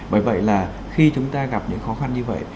bởi vậy là khi chúng ta gặp những khó khăn như vậy